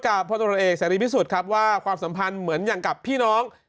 พลตรวจเอกเสรีพิสุทธิ์ครับว่าความสัมพันธ์เหมือนอย่างกับพี่น้อง